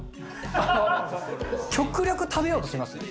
極力食べようとしてますね。